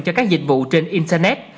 cho các dịch vụ trên internet